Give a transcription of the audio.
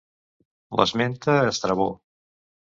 L'esmenta Estrabó.